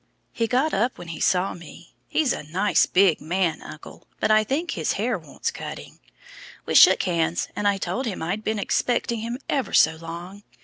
He got up when he saw me he's a nice big man, uncle, but I think his hair wants cutting. We shook hands, and I told him I'd been expecting him ever so long.